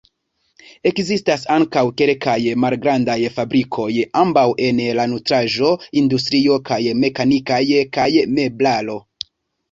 Ekzistas ankaŭ kelkaj malgrandaj fabrikoj, ambaŭ en la nutraĵo-industrio kaj mekanikaj kaj meblaro.